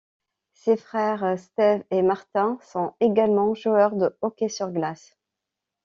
Ses frères Steve et Martin sont également joueurs de hockey sur glace.